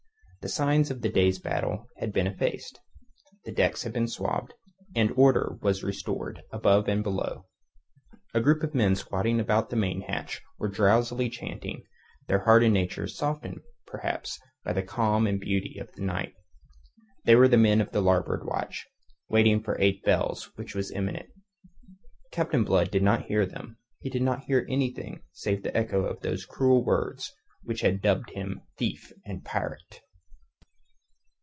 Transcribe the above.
The signs of the day's battle had been effaced, the decks had been swabbed, and order was restored above and below. A group of men squatting about the main hatch were drowsily chanting, their hardened natures softened, perhaps, by the calm and beauty of the night. They were the men of the larboard watch, waiting for eight bells which was imminent. Captain Blood did not hear them; he did not hear anything save the echo of those cruel words which had dubbed him thief and pirate.